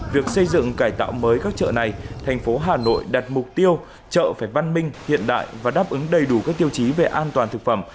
việc xây dựng cải tạo mới các chợ này thành phố hà nội đặt mục tiêu chợ phải văn minh hiện đại và đáp ứng đầy đủ các tiêu chí về an toàn thực phẩm